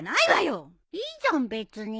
いいじゃん別に。